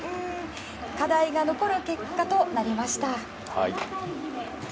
課題が残る結果となりました。